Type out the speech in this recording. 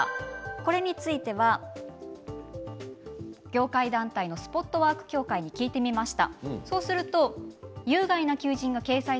これについては業界団体のスポットワーク協会に聞いてみました。